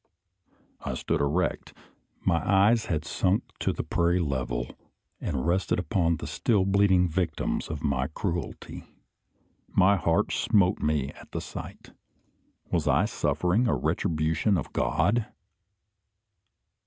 I stood erect. My eyes had sunk to the prairie level, and rested upon the still bleeding victims of my cruelty. My heart smote me at the sight. Was I suffering a retribution of God?